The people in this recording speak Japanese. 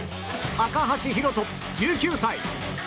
高橋宏斗、１９歳。